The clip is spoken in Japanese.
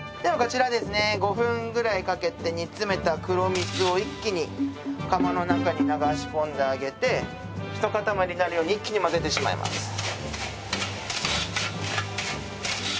こちらですね５分くらいかけて煮詰めた黒蜜を一気に釜の中に流し込んであげてひとかたまりになるように一気に混ぜてしまいます。